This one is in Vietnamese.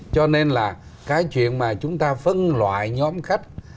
cho nên là cái chuyện mà chúng ta phân loại nhóm khách